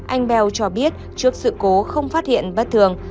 anh bell cho biết trước sự cố không phát hiện bất thường